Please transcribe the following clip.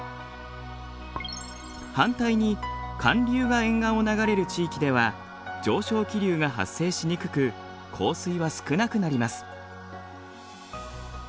反対に寒流が沿岸を流れる地域では上昇気流が発生しにくく降水は少なくなります。